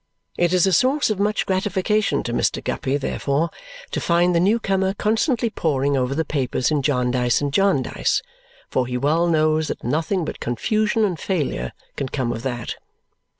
It is a source of much gratification to Mr. Guppy, therefore, to find the new comer constantly poring over the papers in Jarndyce and Jarndyce, for he well knows that nothing but confusion and failure can come of that.